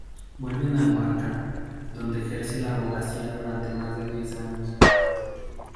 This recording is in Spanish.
Vuelve a Luarca, donde ejerce la abogacía durante más de diez años.